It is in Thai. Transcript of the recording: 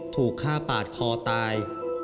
ถูกฆ่าปาดคอตาย